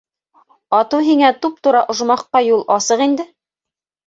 Атыу һиңә туп-тура ожмахҡа юл асыҡ инде...